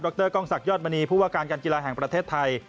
รกล้องศักดิยอดมณีผู้ว่าการการกีฬาแห่งประเทศไทย